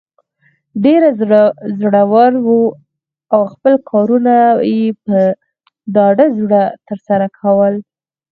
ډیر زړه ور وو او خپل کارونه یې په ډاډه زړه تر سره کول.